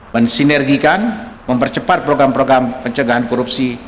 mensinergikan mempercepat program program pencegahan korupsi